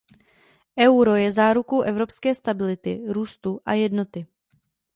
Euro je zárukou evropské stability, růstu a jednoty.